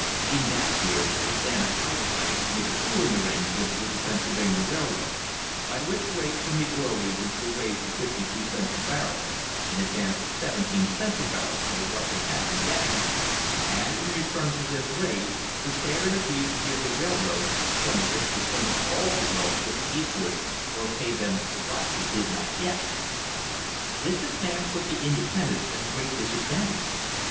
In that year the Standard Pipe Line made a pool ing arrangement with the Pennsylvania Railroad, by which rates from the Oil Regions were raised to fifty two cents a barrel, an advance of seventeen cents a barrel over what they had been getting, and in return for this raise the Standard agreed to give the railroad twenty six per cent, of all the oil shipped Eastward, or pay them for what they did not get. This advance put the independents at a great disadvantage.